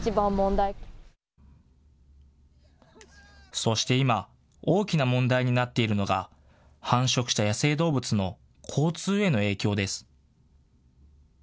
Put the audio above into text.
そして今、大きな問題になっているのが繁殖した野生動物の交通への影響です。